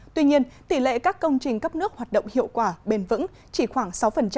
tuy nhiên tỷ lệ các công trình cấp nước hoạt động hiệu quả bền vững chỉ khoảng sáu